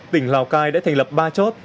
tỉnh lào cai đã thành lập ba chốt